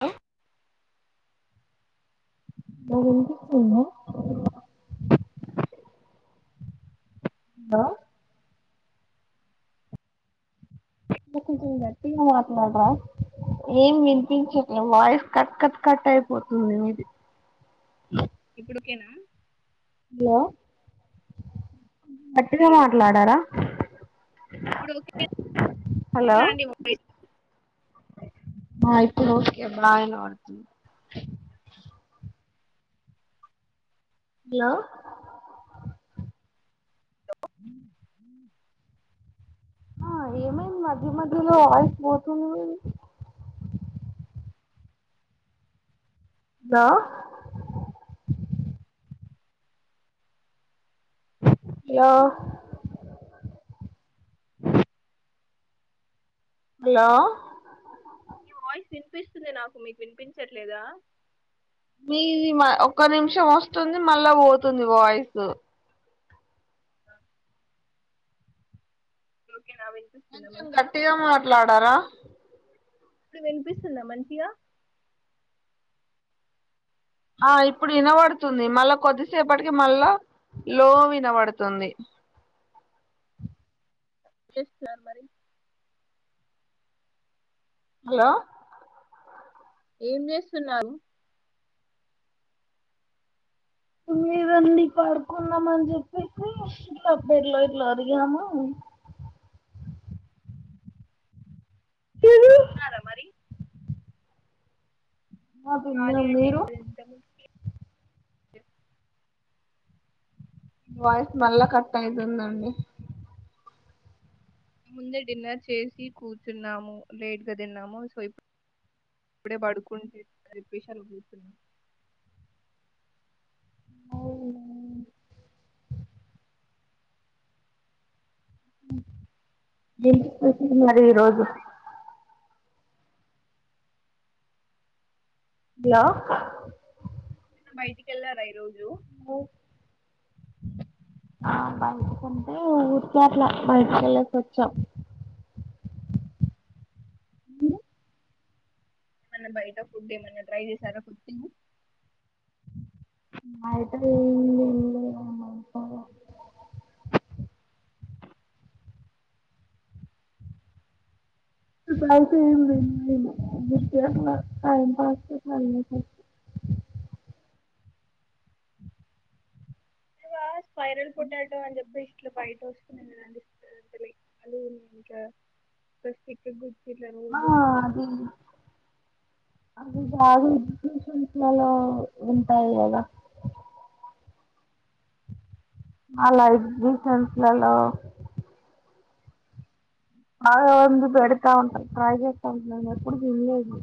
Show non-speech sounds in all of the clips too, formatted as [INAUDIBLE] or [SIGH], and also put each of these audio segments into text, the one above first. హ నాది వినిపిస్తుందా. హ ఇంక కొంచెం గట్టిగా మాట్లాడరా ఏం వినిపించట్లే వాయిస్ కట్ కట్ కట్ అయిపోతుంది మీది. ఇప్పుడు ఓకేనా. హలో గట్టిగా హలో మాట్లాడారా. ఇప్పుడు ఓకే హలో అండి ఓకే. ఆ ఇప్పుడు ఓకే బావినపడుతుంది. హలో ఆ ఏమైంది మధ్య మధ్యలో వాయిస్ పోతుంది. హలో హలో హలో మీ వాయిస్ వినిపిస్తుంది నాకు. మీకు వినిపించట్లేదా? మీది మ ఒక్క నిమిషం వస్తుంది మళ్ళా పోతుంది వాయిసు. ఆ ఓకేనా వినిపిస్తుందా కొంచెం మంచిగా గట్టిగా మాట్లాడరా. [INAUDIBLE] ఇప్పుడు వినిపిస్తుందా మంచిగా. ఆ ఇప్పుడు ఇనవడుతుంది మళ్ళా కొద్దిసేపటికి మళ్ళా లో వినవడుతుంది. ప్లే సార్ మరి హలో ఏం చేస్తున్నారు. మీరండి పడుకుందామని చెప్పేసి ఇట్లాబెడ్లో ఇట్లా ఒరిగినము. [UNINTELLIGIBLE] తిన్నారా మరి. ఆ ఖాళీ తిన్నాం అండి మీరు ఇప్పుడు ప్రస్తుతానికి చె [UNINTELLIGIBLE] [INAUDIBLE] వాయిస్ మళ్ళా కట్ అవుతుందండి ముందే డిన్నర్ చేసి కూర్చున్నాము లేట్గా తిన్నాము స్వప్పుడే పడుకుంటే [UNINTELLIGIBLE] అలా కూర్చున్నాము ఎట్లా [UNINTELLIGIBLE] మరి ఈరోజు హలో బయటికిెళ్లారా ఈ రోజు ఆ బయట కంటే ఊరికే అట్లా బయటకెళ్ళి వచ్చాం ఏమన్నా బయట ఫుడ్ ఏమన్నా ట్రై చేశారా కొత్తగా [INAUDIBLE] [INAUDIBLE] మీ వాయిస్ వైరల్ పొటాటో అని చెప్పేసి అట్లా [UNINTELLIGIBLE] [INAUDIBLE] ఆ అది అవి బాగి ఎగ్జిబిషన్స్లలో ఉంటాయి కదా అలా ఎగ్జిబిషన్ లో [UNINTELLIGIBLE] పెడతాఉంటారు [UNINTELLIGIBLE] నేనెప్పుడూ విన్లేదు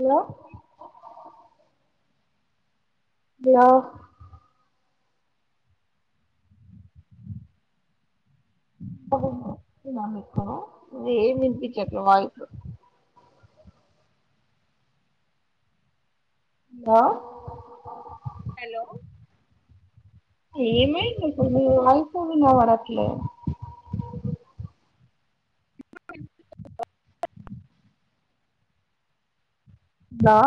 హలో హలో ఏం వినిపించట్లే వాయిస్ హలో హలో ఏమైంది అసలు వాయిస్ ఏం వినపడట్లే హలో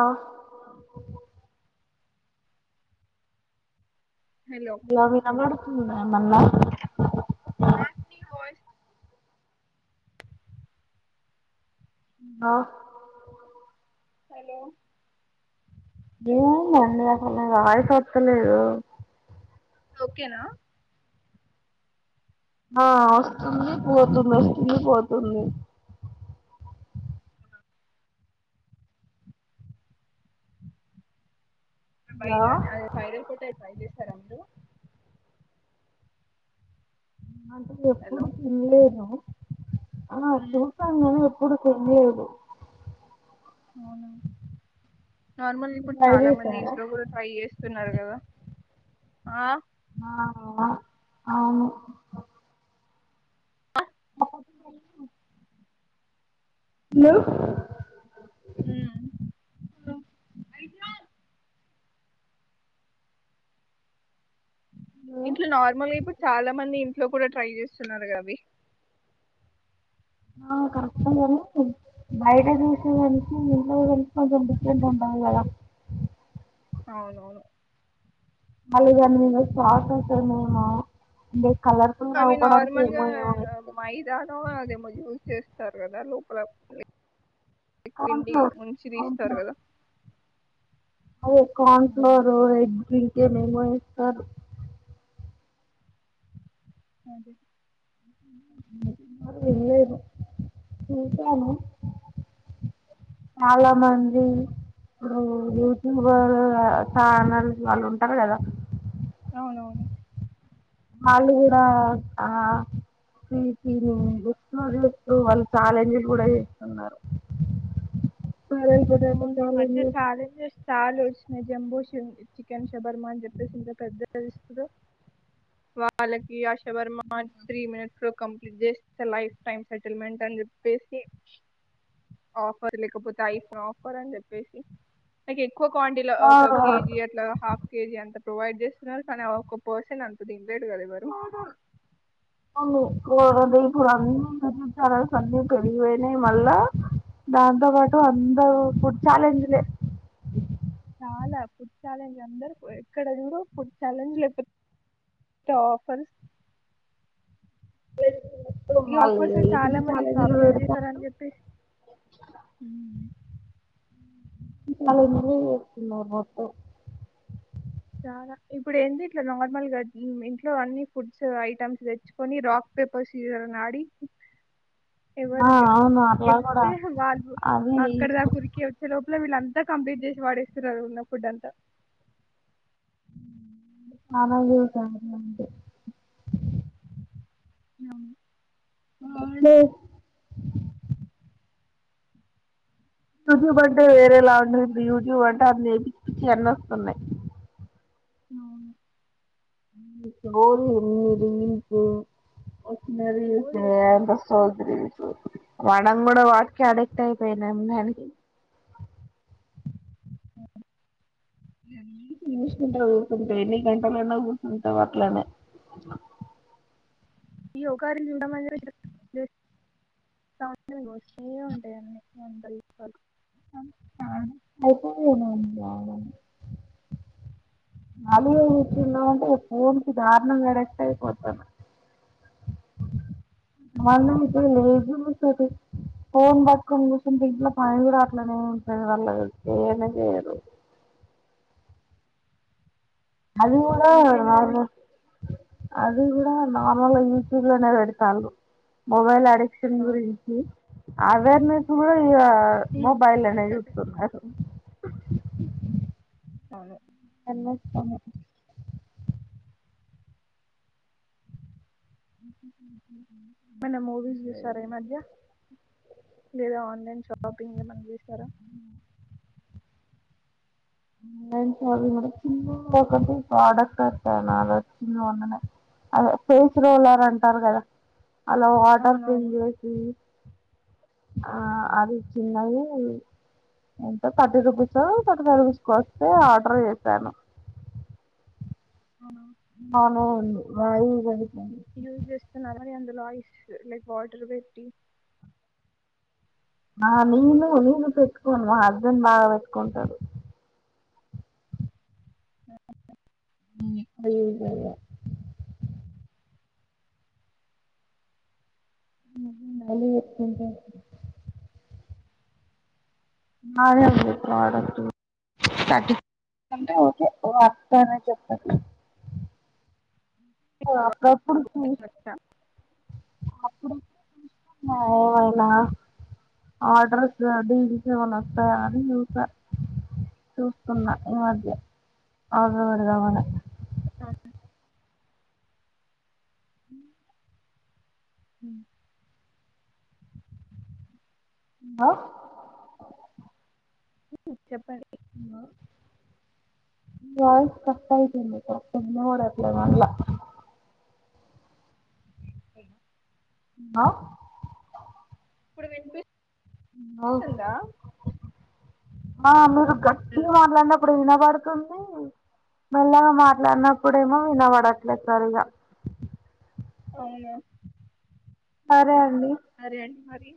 ఆ హలో జాబ్ ఏమన్నాడు మొన్న బ ఆ హలో ఏమైందండీ అసలు వాయిస్ వస్తలేదు ఓకేనా ఆ వస్తుంది పోతుంది వస్తుంది పోతుంది బయట హలో అదే ఫ్రైడ్ రైస్ పెట్టాను ట్రై చేశారా అండి అంటే ఎప్పుడు హలో తినలేదు ఆ ఉమ్, చూశాను ఎప్పుడు తినలేదు అవునా నార్మల్ మీరు ఇప్పుడు ట్రై చాలా మంది చేశారా? ఇంట్లో కూడా ట్రై చేస్తున్నారు కదా ఆ ఆ అవును ప హలో ఉమ్. ఇంట్లో నార్మల్ గా ఇప్పుడు చాలా మంది ఇట్లో కూడా ట్రై చేస్తున్నారు అబ ఆ కరెక్ట్ అద బయట చసే వెనికి ము కొంచెం డిఫెంట్ ఉండాలి కదా అవునవును అళగాని స్ట్ అరుే అవి నార్మల్ గా మై దానావా అదేమో యూస్ చేస్త సారుగదా లోపల క్ కార్న్ పిండి ఫ్లోర్ ముంచి తీస్తారు కదా ఓ కన్ అవునవును ఫలర్ ఎడ్ ఏ మమోయిస్ స అదే వాళ్ళు ఎళ్లేరు చూసాను చాలా మంది ప్పుడు యూట్యూబర్ ఛానల్ వాళ్ళు ఉంటారు కదా అవునవును వాళ్ళు కూడా ఆ ప్రీతిని [UNINTELLIGIBLE] చూస్తూ వాళ్ళు చఛాలెంజ్లు కూడా చేస్తున్నారు వైరల్ పొటాటో అవును ఈ మధ్య ఛాలెంజ్ ఛాలెంజ్స్ చాలు స్ను జబూ శింబ్జ్ చికెన్ షబర్మ అని చెప్పేసి ఇంత పెద్దదిస్తూరు వాళ్ళకి ఆ షబర్మ త్రీ మినిట్స్ లో కంప్లీట్ జేస్తే లైఫ్ టై సెటిల్మెంట్ అని చెప్పేసి ఆఫర్ లేకపోతే ఐ ఫ్రాఫ్ ఫరాన్ జేప్పేసి లైక్ క్కువ క్వాంటిలో ఆ ఒక కేజీ అట్లా హాఫ్ కేజీ అంత ప్రొవైడ్ చేస్తున్నారు కానీ ఆ ఒక పోర్షన్ అంత దిన్ అవును [UNINTELLIGIBLE] రేపు అన్నీ [UNINTELLIGIBLE] పెడిగిపోయినాయి మళ్ళా దాన్ తో పాటు అందరు ఫుడ్ ఛాలెంజ్ లే చాలా ఫుడ్ ఛాలెంజ్ అందరు ఎక్కడ చూడు ఫుడ్ ఛాలెంజ్ లే పోత్ ఆఫర్స్ ఈ వాళ్ళు ఆఫర్స్ ఏ చాలా ఈటింగ్ మంది ఛాలెంజ్లు షాపింగ్ చేస్తార అని పెడతారు జేప్పేస్ ఛాలెంజ్ లే జేతున్నారు మొత్తం చాలా ఇప్పుడు ఏంది ఇట్లా నార్మల్ గా మ్మ్ ఇంట్లో అన్ని ఫుడ్స్ ఐటమ్స్ తెచ్చుకొని రాక్ పేపర్ సీజర్ అని ఆడి ఆ ఎవరు గె అవును అట్లా కూడా గెలిస్తే వాళ్ళు అది అక్కడదాక్ ఉరికి వచ్చే లోప్ అలా వీళ్ళంతా కంప్లీట్ చేసి వాడేస్తున్నారు ఉన్న ఫుడ్ అంతా [UNINTELLIGIBLE] అంటీ యా ఆడే యూట్యూబ్ అంటే వేరే లాటింది, ఇప్పుడు యూట్యూబ్ అంటే అన్ని పిచ్చి పిచ్చి అన్నీ వస్తున్నాయి. నవున్ గోడు ఎనిమిది ఇంటూ మరి సోది వస్తుంది ఏంటో సోదరీ మనం కూడ వాటికే అడిక్ట్ అయిపోయినాము దాని ఊరుకుంట ఊరుకుంటా ఎన్ని గంటల అయిన ఊరుకుంటా అట్లానే ఇక ఒకకారిని చూడ లఅనే [UNINTELLIGIBLE] వస్తుఉంటాయి అందరి వల్ల అర్థం అయితే నిను రావల్ల మలి ఎయితులో [UNINTELLIGIBLE] ఫోన్ కీ దారుణంగా అడక్ట్పో అయిపొతారు అట్లానే ఉంటారు వాళ్ళు పొనేపొరు మది కూడే ఇంకేంటి వాళ్ళు విషయం అది కూడా నార్మల్గా యూట్యూబ్ లోనే పెడతాండురు మొబైల్ [INAUDIBLE] క్ష గురించి అవేర్నెస్ కూడా ఇ ఉమ్. మొబైల్ అనేది చూస్తున్నారు అదే తినొత్తను ఏమన్న మూవీస్ చూసార ఇ మధ్య లేదా ఆన్లైన్ షాపింగ్ ఏమన్నా చేశారా ఒకటి ప్రోడక్ట్ వచ్చానది ఇమద్యనే అదే ఫేస్ రోలర్ అంటారు కదా అలా వాటర్ ఫిల్ అవునవును చేసి ఆ అది చిన్నవి ఎంత థర్టీ రూపీస్ ఆ థర్టీ పైవ్ రూపీస్ ఆ వస్తే ఆర్డర్ పెట్టాను మది ఇది ఏంది వచ్చిన యూస్ చేస్తున్నరా అందులో ఐస్ లైక్ వాటర్ పెట్టి మామూలుగా నిను పెట్టుకోను మా హస్బెండ్ బాగా పెట్టుకుంటాారు అ అ [UNINTELLIGIBLE] మళ్ళీ పెట్టుకుంటారు బాగనే ఉంది ప్రడక్ట్ అంటే ఓకే వర్త్ అనే చెప్పచ్చు సో అప్పుడు అప్పుడు చుస్ [UNINTELLIGIBLE] ఒక వేళ ఆర్డర్స్ డీల్స్ ఏమైన్న వస్తాయని అది చూస్తున్నా ఈ మధ్య ఆర్డర్ పెడదామని అ [INAUDIBLE] హ్మ్ ఇంగా చెప్పండి ఉన్న నీవాయిస్ కట్ అయితుంది వినపడట్లే మళ్ళ ఎగ్ న [UNINTELLIGIBLE] ఆ ఇప్పుడు వినిపి ఆ అవ్ ఆ మీరు గట్టిగా హలో మాట్లాడినప్పుడు వినవా మెల్లగా మాట్లాడినప్పుడు ఏమో వినబడట్లే సరిగా అవునా సరే అండి [UNINTELLIGIBLE] మరి